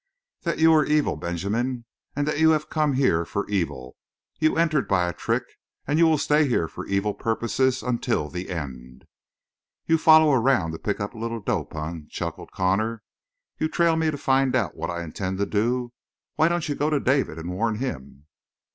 "That you are evil, Benjamin, and that you have come here for evil. You entered by a trick; and you will stay here for evil purposes until the end." "You follow around to pick up a little dope, eh?" chuckled Connor. "You trail me to find out what I intend to do? Why don't you go to David and warn him?"